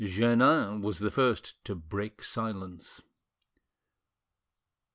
Jeannin was the first to 'break silence.